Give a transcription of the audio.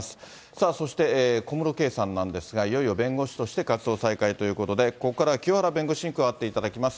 さあ、そして小室圭さんなんですが、いよいよ弁護士として、活動再開ということで、ここからは清原弁護士に加わっていただきます。